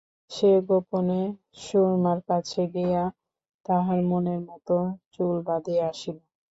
সে গােপনে সুরমার কাছে গিয়া তাহার মনের মত চুল বাঁধিয়া আসিল।